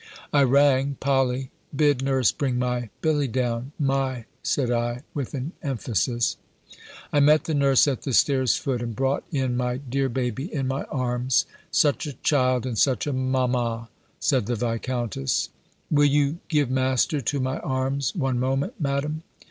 I rang. "Polly, bid nurse bring my Billy down." My, said I, with an emphasis. I met the nurse at the stairs' foot, and brought in my dear baby in my arms: "Such a child, and such a mamma!" said the Viscountess. "Will you give Master to my arms, one moment, Madam?"